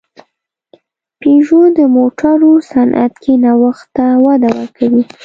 پيژو د موټرو صنعت کې نوښت ته وده ورکوي.